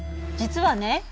実はね